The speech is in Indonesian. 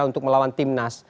untuk melawan tim nas